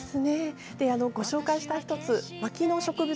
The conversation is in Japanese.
ご紹介した１つ牧野植物